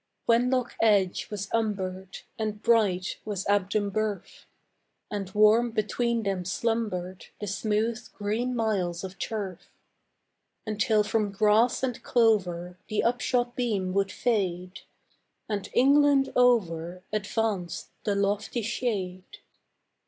Wenlock Edge was umbered, And bright was Abdon Burf, And warm between them slumbered The smooth green miles of turf; Until from grass and clover The upshot beam would fade, And England over Advanced the lofty shade.